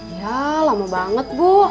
iya lama banget bu